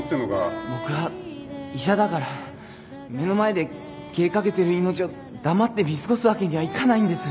僕は医者だから目の前で消えかけてる命を黙って見過ごすわけにはいかないんです。